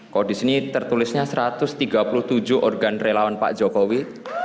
kodis ini tertulisnya satu ratus tiga puluh tujuh organ relawan pak jokowi